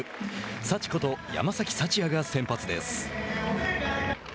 「さち」こと、山崎福也が先発です。